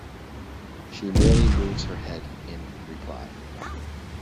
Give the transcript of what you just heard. She merely moves her head in reply.